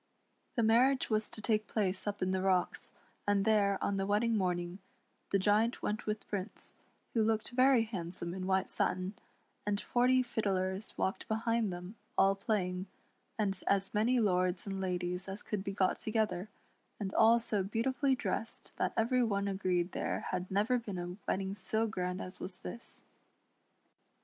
The mar riage was to take place up in the rocks, and there, on the wedding morning, the Giant went with Prince, who looked very handsome in white satin, and forty fiddlers walked behind them, all playing, and as many lords and ladies as could be got together, and all so beautifully dressed that every one agreed there had never been a wedding so grand as was this.